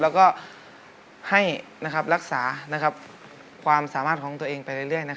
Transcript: แล้วก็ให้รักษาความสามารถของตัวเองไปเรื่อย